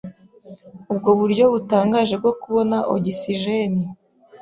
Ubwo buryo butangaje bwo kubona ogisijeni